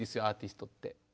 アーティストって。